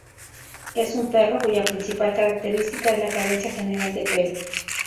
Es un perro cuya principal característica es la carencia general de pelo.